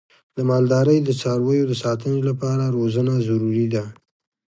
د مالدارۍ د څارویو د ساتنې لپاره روزنه ضروري ده.